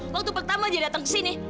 waktu pertama dia datang kesini